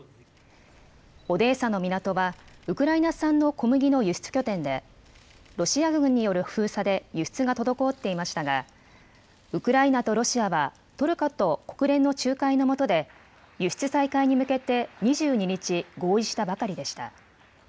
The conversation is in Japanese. オデーサの港はウクライナ産の小麦の輸出拠点でロシア軍による封鎖で輸出が滞っていましたがウクライナとロシアはトルコと国連の仲介のもとで輸出再開に向けて２２日、合意したばかりでした。